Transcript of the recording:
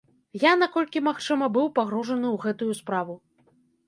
Я, наколькі магчыма, быў пагружаны ў гэтую справу.